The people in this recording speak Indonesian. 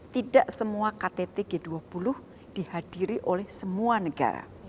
tidak semua ktt g dua puluh dihadiri oleh semua negara